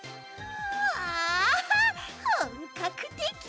わあほんかくてき！